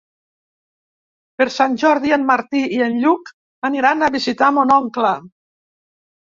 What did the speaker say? Per Sant Jordi en Martí i en Lluc aniran a visitar mon oncle.